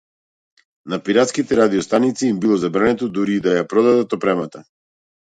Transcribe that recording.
На пиратските радио-станици им било забрането дури и да ја продадат опремата.